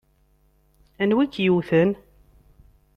Anwa i k-yewwten?